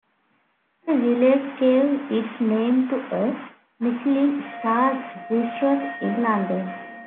The village gave its name to a Michelin-starred restaurant in London.